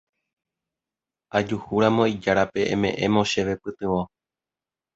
Ajuhúramo ijárape eme'ẽmo chéve pytyvõ.